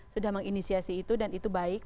sudah menginisiasi itu dan itu baik